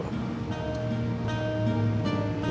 yang mau kita omongin kan masalah serius